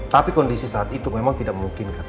tapi kondisi saat itu memang tidak memungkinkan